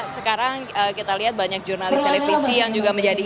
sekarang kita lihat banyak jurnalis televisi yang juga menjadi